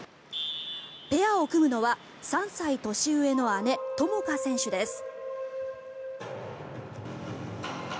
ペアを組むのは３歳年上の姉友花選手です。